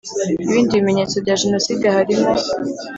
ibindi bimenyetso bya Jenoside harimo